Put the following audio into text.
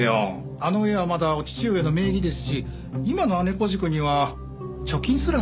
あの家はまだお父上の名義ですし今の姉小路くんには貯金すらないでしょ？